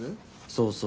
そうそう。